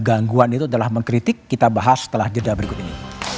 gangguan itu adalah mengkritik kita bahas setelah jeda berikut ini